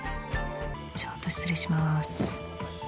ちょっと失礼します。